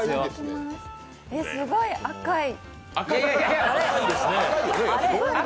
すごい赤い。